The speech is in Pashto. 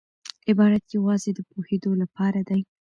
عبارت یوازي د پوهېدو له پاره دئ.